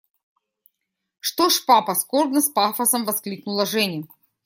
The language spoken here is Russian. – Что ж, папа! – скорбно, с пафосом воскликнула Женя.